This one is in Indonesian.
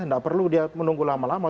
tidak perlu dia menunggu lama lama